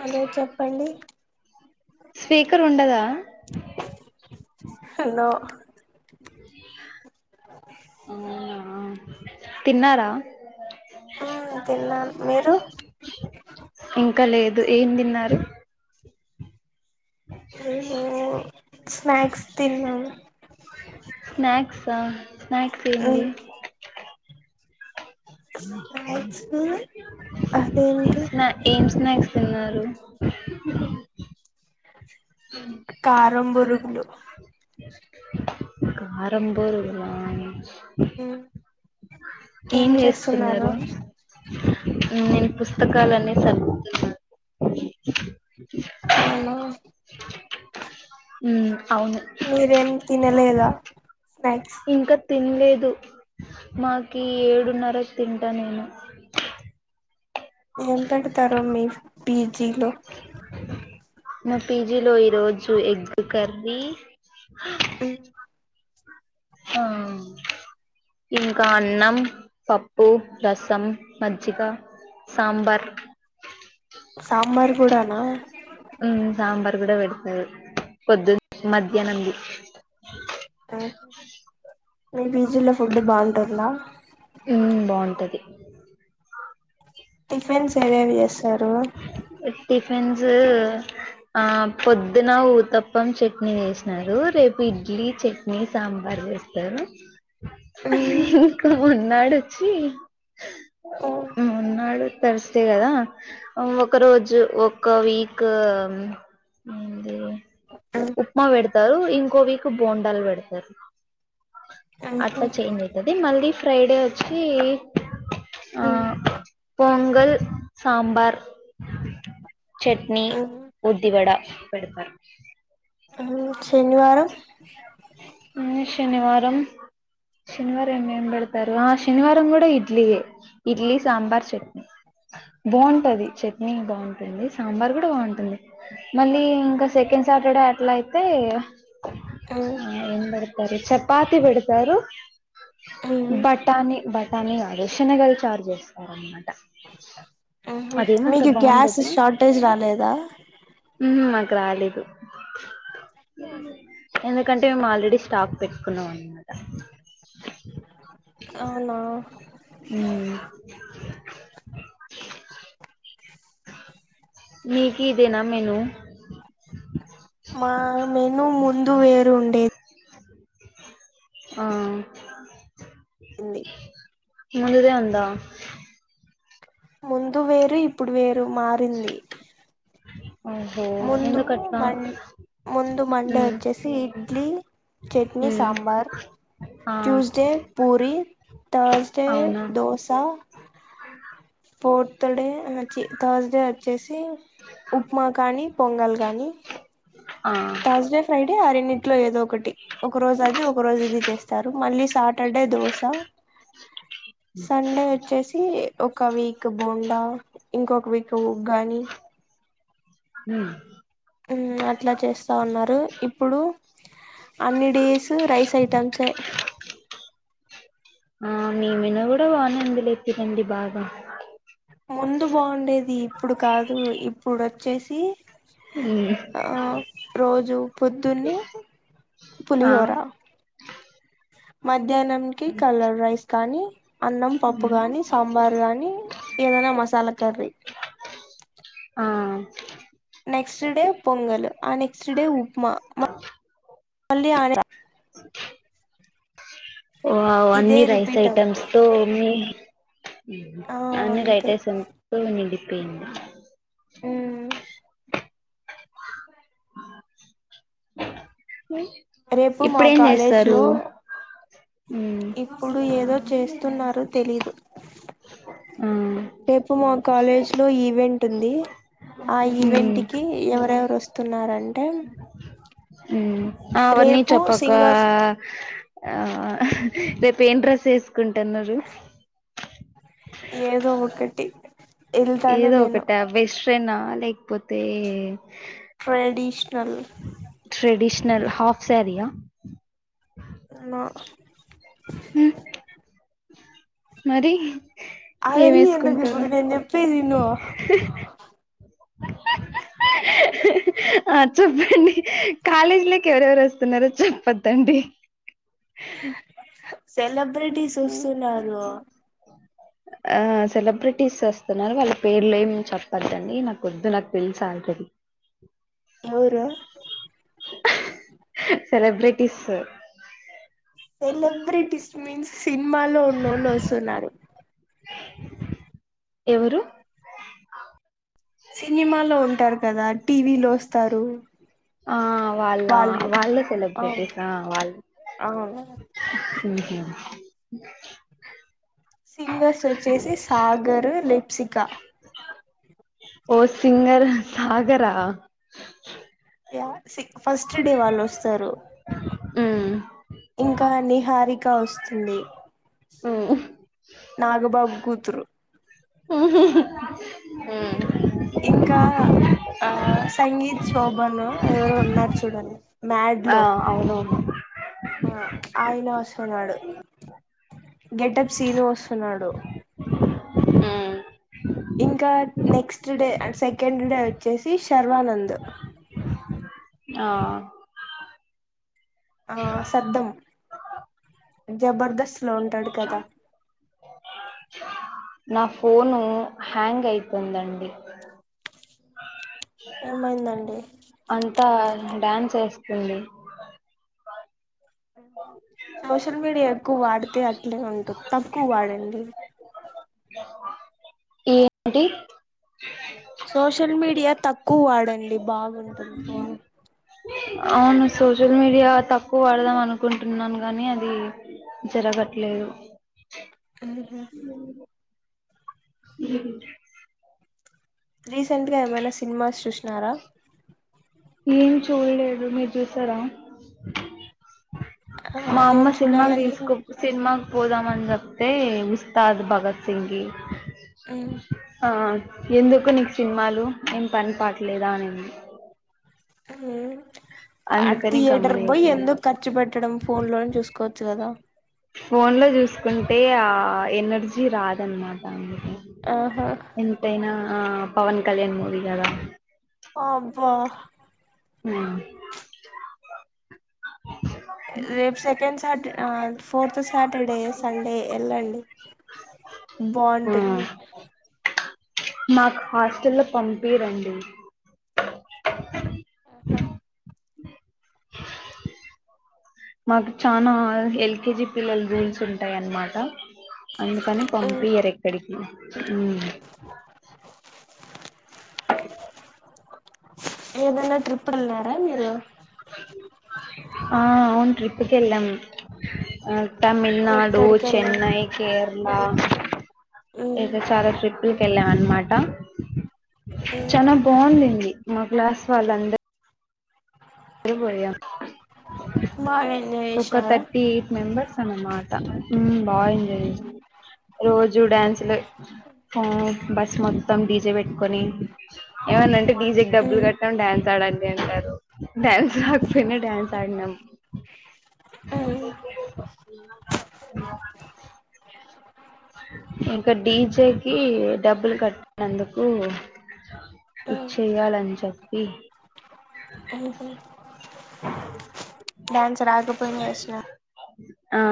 Hello చెప్పండి speaker ఉండదా hello అవునా తిన్నారా ఆ తిన్నాను మీరు ఇంకా లేదు ఏం తిన్నారు హుహు స్నాక్స్ తిన్నాం త స్నాక్స్ మ్మ్ ఏంది స్నాక్స్ అదేంటి ఏం స్నాక్స్ తిన్నారు కారం బొరుగులు కారం బోరుగులా మ్మ్ ఏం జేస్తున్నారు నేను పుస్తకాలన్నీ సర్దుతున్నాను అవునా హ్మ్ మీరేం తినలేద స్నాక్స్ ఇంకా తినలేదు మాకి ఏడున్నరకి తింట నేను ఏం పెడతారు మీ పీజీలో చూడు ఎగ్ కర్రి హ్మ్ ఆ ఇంకా అన్నం పప్పు రసం మజ్జిగ సాంబార్ సాంబార్ కూడ నా హ్మ్ సాంబార్ కూడా పెడతారు పొద్దున మధ్యాహ్నం ది ఎది జిలో ఫుడ్ బావుటుంద ఉమ్ బాగుంటది టిఫన్స్ ఏవేవి చేస్తారు టిఫిన్స్ ఆ పొద్దున ఊతప్పం చట్నీ వేసినారు రేపు ఇడ్లీ చట్నీ సాంబార్ వేస్తారు మ్మ్ ఇంకా మరున్నాడు వచ్చి మ్మ్ ఊ మన్నాడు తర్స్ డే కదా అవ్వు క్క రోజు ఒక్క వీక్ మ్ ది ఉప్మా పెడతారు ఇంకో వీక్ బోండాలు పెడతారు అట్లా మ్మ్ చేంజ్ ఐతాయి ది మళ్ళీ ఫ్రైడే వచ్చి ఆ మ్మ్ పొంగల్ సాంబార్ చట్నీ మ్మ్ ఉద్దివడ పెడతారు శనివారం ఊ శనివారం శనివారం ఏమేం పెడతారు ఆ శనివారం కూడా ఇడ్లీయే ఇడ్లీ సాంబార్ చట్నీ బావుంటది చట్నీ బావుంటుంది సాంబార్ కూడా బావుంటుంది మళ్ళీ ఇంకా సెకండ్ సాటర్డే అట్లా అయితే ఆ ఏం పెడతారు చపాతి పెడతారు బఠానీ బఠానీ కాదు షనగలు చారు చేస్తారు అనమాట మీకు గ్యాస్ షార్టేజ్ రాలేదా ఊ మాకు రాలేదు ఎందుకంటే మా ఆల్రెడీ స్టాక్ పెట్టుకున్నాం అనమాట అవునా ఊ మీకీదినం మేలు వేరుండే ఆ నీ మీదే ఉందా ముందు వేరు ఇప్పుడు వేర్ డు మారింది ఓహో ముందు ఎందుకట్లా మం ముందు మండే ఉమ్ వచ్చేసి ఇడ్లీ చట్నీ ఉమ్ సాంబార్ ఆ ట్యూస్డే పూరి థర్స్డే అవునా దోస ఫోర్త్ డే అహ ఛీ థర్స్ డే వచ్చేసి లే ఉప్మా కానీ పొంగల్ గానీ ఆ థర్స్ డే ఫ్రై డే ఆ రెండు డింట్లో ఏదో ఒకటి ఒక రోజు అది ఒక రోజు ఇది చేస్తారు మళ్ళీ సాటర్డే దోశ సండే వచ్చేసి ఒక వీక్ బోండా ఇంకొక వీక్ ఉగ్గాని హ్మ్ హ్మ్ అట్లా చేస్తా ఉన్నారు ఇప్పుడు అన్ని డేసు రైస్ ఐటమ్సే అందులో తినండి బాగా ముందు బాగుండేది ఇప్పుడు కాదు ఇప్పుడొచ్చేసి ఉమ్ ఆ రోజు పొద్దున్నే ఆ పులిహోర మ మధ్యాహ్నం కి కలర్ రైస్ కానీ అన్నం పప్పు గానీ సాంబారు గానీ ఏదైనా మసాలా కర్రీ ఆ నెక్స్ట్ డే పొంగల్ ఆ నెక్స్ట్ డే ఉప్మా మళ్ళీ ఆ వావ్ ఇదే అన్ని రైస్ రిపీట్ ఐటెమ్స్ అవుద్ది తో మీ ఆ అన్నీ రైస్ అంతే ఐటమ్స్ తో నిండిపోయింది హ్మ్ ఉమ్, రేపు మా ఇప్పుడేం కాలేజ్ చేస్తారు లో ఉమ్ ఇప్పుడు ఏదో చేస్ తున్నారు తెలీదు ఆ రేపు మ కాలేజ్ లో ఈవెంట్ ఉంది ఆ ఉమ్ ఈవెంట్కిి ఎవరు ఎవర్ వస్తున్నారంటే ఉమ్ అవన్నీ రేపు చప్పకా సింగర్స్ ఆ హా రేపు ఏం డ్రస్ వేసుకుంటున్నారు టి ఏదో ఒకట వెస్ట్రన్ ఆ లేకపోతే ట్రెడిషనల్ ట్రెడిషనల్ హాఫ్ సారీయా న మరి ఏం అవన్నీ ఎందుకు వేసుకుంటారు ఇబ్బుదు నేన్ చెప్పేది ఇను ఆ చెప్పండి కాలేజ లోకి ఎవరెవరు వస్తున్నారో చెప్పద్దండి సెలబ్రిటీస్ వస్తున్నరు ఆ సెలబ్రిటీస్ వస్తున్నారు వాళ్ళ పేర్లు ఏం చెప్పద్దండి నా వద్దు నాకు తెలుస్ ఆల్రెడీ ఎవరు సెలబ్రిటీస్ సెలబ్రిటీస్ మీన్స్ సినిమాలో వునోళ్ళు వస్తున్నారు ఎవరు సినిమాలో ఉంటరు కదా టీవీలో వస్తారు ఆ వాళ్ళ వాళ్ళు వాళ్ళే అవును సెలబ్రిటీస ఆ వాళ్ళు అవును ఉహ్మ సింగర్స్ వచ్చేసి సాగర్ లిప్సిక ఓ సింగర్ సాగరా యా సి ఫస్ట్ డే వాళ్ళు వస్తరు హ్మ్ ఇంక నిహారిక వస్తుంది. హ్మ్ నాగబాబు కూతురు హ్మ్ హ్మ్ హు ఇంకా ఆ సంగీత్ శోభను ఎవరో ఉన్నారు చూడండి మ్యాడ్ ఆ లో అవునవును ఆ ఆయన వస్తున్నాడు, గెటప్ సీను వస్తున్నాడు. ఇంకా next day and second day వచ్చేసి శర్వానంద్ ఆ ఆ సద్దాం జబర్దస్ స్లో ఉంటాడు కదా నా ఫోను హ్యాంగ్ అయితుందండి. ఏమైందండి అంతా డ్యాన్స్ ఏస్తుంది. సోషల్ మీడియా ఎక్కువ వాడితే అట్లే ఉంటుంది తక్కువ వాడండి. ఏంటి సోషల్ మీడియా తక్ క్కువ వాడండి బాగుంటుంది ఫోను అవును సోషల్ మీడియా తక్కువ వాడదాం అనుకుంటున్నాను గాని అది జరగట్లేదు. మ్మ్ ఉ ఉ రీసెంట్గా ఏమైనా సినిమాస్ చూశినారా ఏమి చూడలేదు మీరు చూసారా ఆ మా అమ్మ నేను సినిమాకి చూడాలని తీసుకో సినిమాకి పోదాము అని చెప్ తే ఉస్తాద్ భగత్ సింగ్ కి మ్మ్ ఆ ఎందుకు నీకు సినిమాలు ఏం పని పాటలేదా అనింది హు ఆ అందుకని గమ్మన థియేటర్కి పోయి అయిపోయింది ఎందుకు ఖర్చు పెట్టడం ఫోన్ లోనే చూసుకోవచ్చు కదా ఫోన్ లో చూసుకుంటే ఆ ఎనర్జీ రాదన్నమాట అందు ఆహా ఎంతైనా ఆ పవన్ కళ్యాణ్ మూవీ కదా అబ్బా ఉ రెప్ సెకండ్స్ తాట్ ఆ ఫోర్త్ సాటర్డే సండే ఏళ్ళండి బాగుంటుంది మాక్ హాస్టల్ లో పంపిరండి ఉహు మాకు చానా ఎల్కేజి పిల్లల రూల్స్ ఉంటాయన్నమాట అందుకని మ్మ్ పంపియరు ఎక్కడికి ఏదన్నా ట్రిప్ ఎల్ అ మీరు ఆ అవును ట్రిప్కి వెళ్ళాం తమిళనాడు ఎక్కడికి వెళ్ళారు చెన్నై కేరళా ఉమ్ ఏద చాలా ట్రిపుల్ కెల్లం అన్ మాట ఉమ్ చాల బావున్నింది మా క్లాస్ వాళ్ళంద పోయాం బాగా ఎంజాయ్ ఒక చేసినారా థర్టీ ఎయిట్ మెంబర్స్ అన్నమాట ఊ బాగా ఎంజాయ్ చేస్ రోజూ డ్యాన్సు లే ఆ బస్ మొత్తం డీ జే పెట్టుకొని ఏమన్నంటే డీ జే కు డబులు ఉమ్ కట్టాం డాన్స్ ఆడాన్ అ అంటారు డన్స రకపోయినా డన్స్ ఆడినమ్ ఉమ్ ఇంక డీజేకి డబ్బులు కట్టినందుకు ఉమ్ ఇచ్చేయ్యాలని చెప్పి హూ డ్యాన్స్ రాకపోయినా ఏసినా ఆ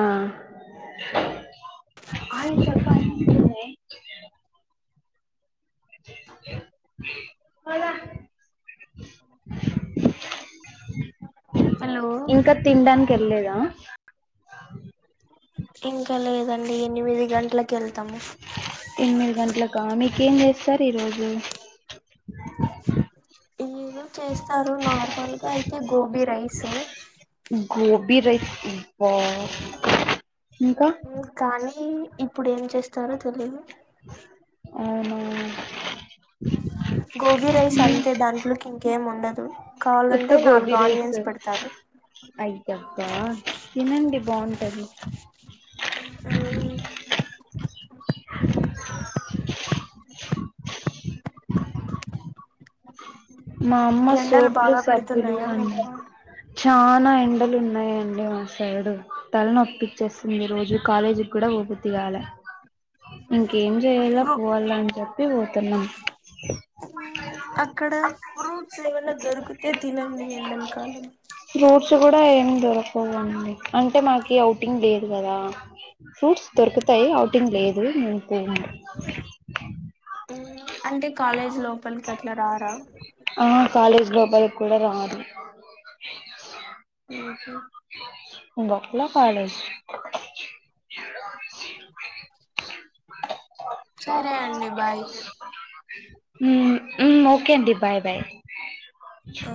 హలో ఇంకా తినడానికి ఎళ్లేదా ఇంగ్ తెలిదండి ఎనిమిది గంటలకి ఎళ్తాము ఎనిమిది గంటలకా మి ఏం చేస్తార్ ఈరోజు ఏదో చేస్తారు నార్మల్ గా అయితే గోబీ రైస్ గోబి రైస్ అబ్బా ఇంకా ఊ కానీ ఇప్పుడేం చేస్తారో తెలీదు అవునా గోబీ రైస్ అంతే దాంట్లోకి కేం ఉండదు ఉత్త కావాలంటే గోబి నాలుగు రైస్ ఆనియన్స్ పెడతారు టది అవును మా అమ్మ ఎండలు సోపులు బాగా సబ్బులు పెడుతున్నాయా అన్ని మీకు చానా ఎండలు ఉన్నాయని వా సైడ్ తల నోప్పించేస్తుంది రోజు కాలేజీక్కూడా పోబుద్ధి కాలే ఇంకేం చేయాల పోవాలా అని చెప్పి పోతున్నా అక్కడ ఫ్రూట్స్ ఏమైనా దొరికితే తినండి ఎండలకాలం ఫ్రూట్స్ కూడా ఏం దొరకవండి అంటే మాకి ఔటింగ్ లేదు కదా ఫ్రూట్స్ దొరుకుతాయి అ ఔట్టింగ్ లేదు నేను పోను ఉహ్ అంటే కాలేజ్ లోపలి కి అట ఇట్ల రారా లోపల్ కూడా రాదు ఉహ్ హు బక్లా పడస్ ఎడ్వాని చిడు సరే అండి బాయ్ ఉహ్ ఉమ్ ఓకే అండి బాయ్ బాయ్ ఆ